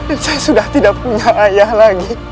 dan saya sudah tidak punya ayah lagi